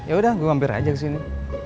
yaudah gua ngampir aja ke sini